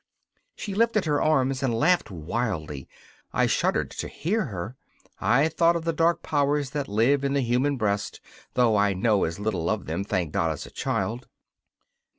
She lifted her arms and laughed wildly I shuddered to hear her! I thought of the dark powers that live in the human breast, though I know as little of them, thank God, as a child.